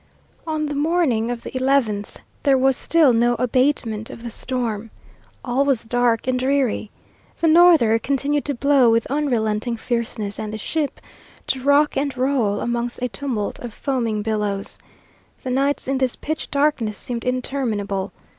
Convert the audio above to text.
On the morning of the eleventh there was still no abatement of the storm. All was dark and dreary. The norther continued to blow with unrelenting fierceness, and the ship to rock and roll amongst a tumult of foaming billows. The nights in this pitch darkness seemed interminable.